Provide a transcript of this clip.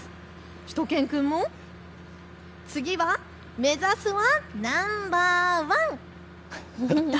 しゅと犬くんも次は目指すはナンバーワン！だ